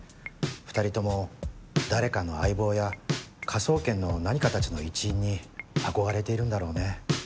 ２人とも誰かの相棒や科捜研の何かたちの一員に憧れているんだろうね。